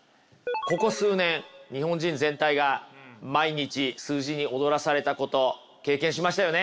ここ数年日本人全体が毎日数字に踊らされたこと経験しましたよね。